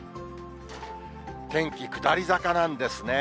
天気下り坂なんですね。